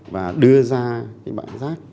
và đưa ra cái bụi rác